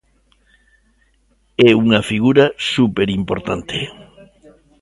É unha figura superimportante.